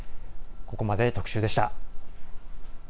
ここまで特集でした。